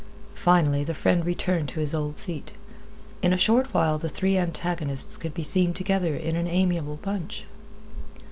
Finally the friend returned to his old seat. In a short while the three antagonists could be seen together in an amiable bunch.